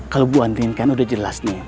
kalau bu anding kan udah jelas nih